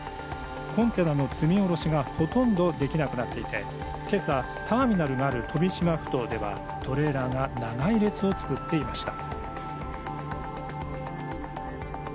コンテナの積み降ろしがほとんどできなくなっていて今朝、ターミナルがある飛島ふ頭ではトレーラーが長い列を作っていました。